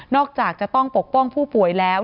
จากจะต้องปกป้องผู้ป่วยแล้ว